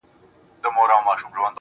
صبر د عقل قوت دی.